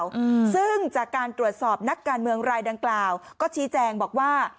อืมซึ่งจากการตรวจสอบนักการเมืองรายดังกล่าวก็ชี้แจงบอกว่า